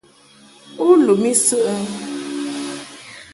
U lum I səʼ ɛ?